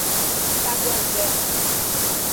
Itaguajé